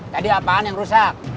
tadi apaan yang rusak